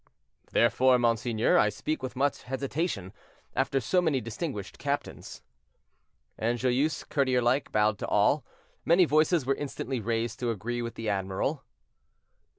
"Therefore, monseigneur, I speak with much hesitation, after so many distinguished captains." And Joyeuse, courtier like, bowed to all. Many voices were instantly raised to agree with the admiral.